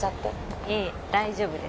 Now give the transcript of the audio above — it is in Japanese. いえいえ大丈夫です